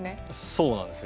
そうなんです。